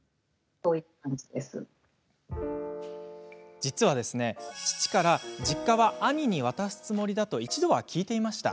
実は、父から実家は兄に渡すつもりだと一度は聞いていました。